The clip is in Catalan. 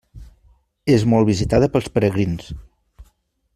És molt visitada pels peregrins.